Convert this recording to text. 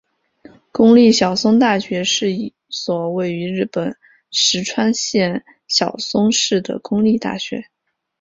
公立小松大学是一所位于日本石川县小松市的公立大学。